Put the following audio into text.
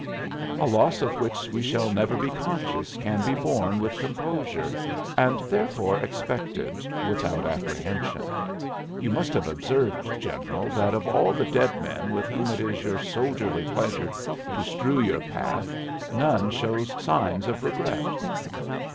"A loss of which we shall never be conscious can be borne with composure and therefore expected without apprehension. You must have observed, General, that of all the dead men with whom it is your soldierly pleasure to strew your path none shows signs of regret."